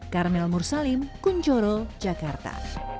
carmel mursalim kunjoro jakarta